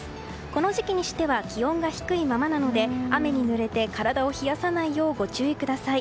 この時期にしては気温が低いままなので雨にぬれて体を冷やさないようご注意ください。